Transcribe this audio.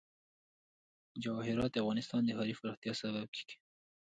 جواهرات د افغانستان د ښاري پراختیا سبب کېږي.